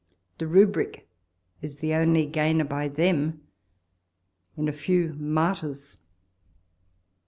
The rubric is the only gainer by them in a few martyrs.